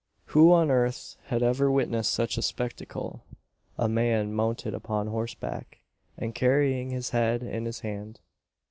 Who on earth had ever witnessed such a spectacle a man mounted upon horseback, and carrying his head in his hand?